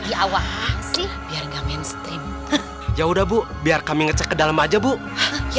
biar gak mainstream ya udah bu biar kami ngecek ke dalam aja bu ya